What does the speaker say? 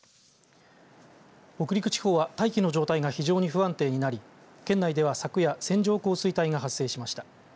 北陸地方は大気の状態が非常に不安定になり県内では昨夜線状降水帯が発生しました。